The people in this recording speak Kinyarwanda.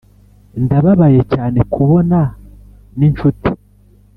ndababaye cyane kubona ninshuti